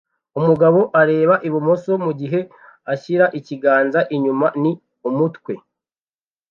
Umugabo areba ibumoso mugihe ashyira ikiganza inyuma ni umutwe